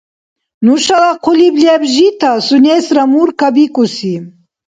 Нушала хъулиб леб жита, сунесра Мурка бикӀуси.